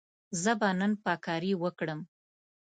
زه به نن پاککاري وکړم.